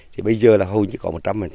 thì bây giờ là hầu như có một trăm linh